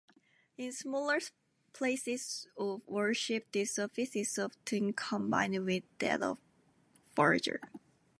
In smaller places of worship, this office is often combined with that of verger.